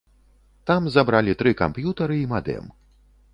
Там забралі тры камп'ютары і мадэм.